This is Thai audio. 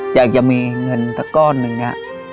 จะอยากจะมีเงินสักก้อนหนึ่งนะ